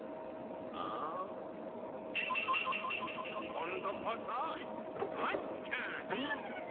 今度こそよっと。